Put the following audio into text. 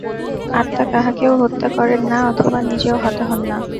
আত্মা কাহাকেও হত্যা করেন না অথবা নিজেও হত হন না।